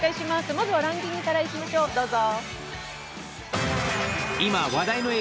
まずはランキングからいきましょう、どうぞ。